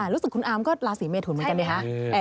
รู้สึกคุณอาร์มก็ราศีเมทุนเหมือนกันดิคะ